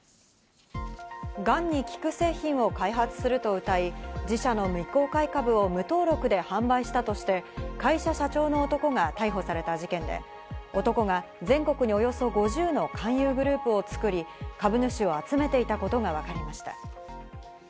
がんに効く製品を開発するとうたい、自社の未公開株を無登録で販売したとして会社社長の男が逮捕された事件で、男が全国におよそ５０の勧誘グループを作り、株主を集めていたことがわかりました。